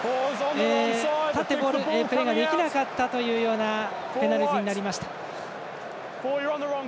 立って、プレーができなかったというようなペナルティになりました。